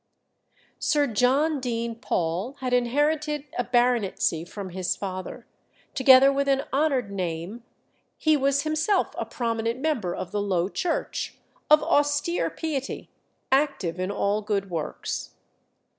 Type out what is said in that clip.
Sir John Dean Paul had inherited a baronetcy from his father, together with an honoured name; he was himself a prominent member of the Low Church, of austere piety, active in all good works.